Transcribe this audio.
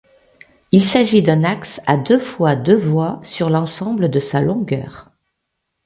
Il s'agit d'un axe à deux fois deux voies sur l'ensemble de sa longueur.